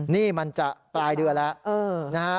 นี่มันจะปลายเดือนแล้วนะฮะ